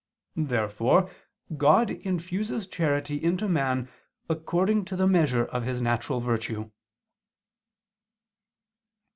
Therefore God infuses charity into man according to the measure of his natural virtue.